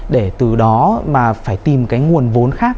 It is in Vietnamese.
để từ đó mà phải tìm cái nguồn vốn khác